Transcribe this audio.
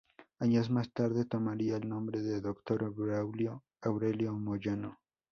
Años más tarde tomaría el nombre del doctor Braulio Aurelio Moyano.